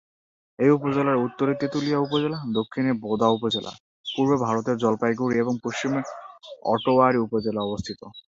এই উপজেলার উত্তরে তেঁতুলিয়া উপজেলা, দক্ষিণে বোদা উপজেলা, পূর্বে ভারতের জলপাইগুড়ি এবং পশ্চিমে আটোয়ারী উপজেলা অবস্থিত।